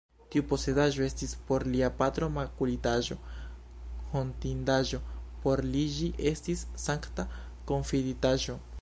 Tiu posedaĵo estis por lia patro makulitaĵo, hontindaĵo; por li ĝi estis sankta konfiditaĵo.